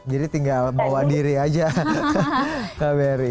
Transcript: jadi tinggal bawa diri aja ke kbri